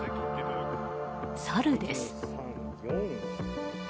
サルです。